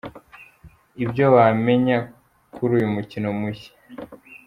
Ibyo wamenya kuri uyu mukino mushya… .